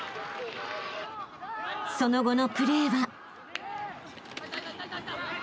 ［その後のプレーは］